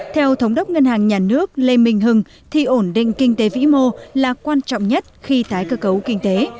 theo thống đốc ngân hàng nhà nước lê minh hưng thì ổn định kinh tế vĩ mô là quan trọng nhất khi tái cơ cấu kinh tế